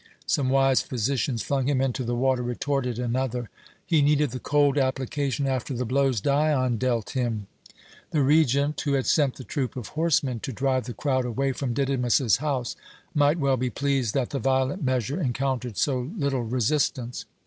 "Some wise physicians flung him into the water," retorted an other; "he needed the cold application after the blows Dion dealt him." The Regent, who had sent the troop of horsemen to drive the crowd away from Didymus's house, might well be pleased that the violent measure encountered so little resistance.